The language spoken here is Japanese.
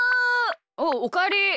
おうおかえり。